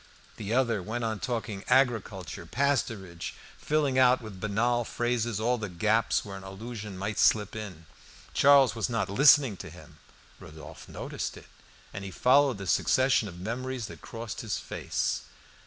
The other went on talking agriculture, cattle, pasturage, filling out with banal phrases all the gaps where an allusion might slip in. Charles was not listening to him; Rodolphe noticed it, and he followed the succession of memories that crossed his face.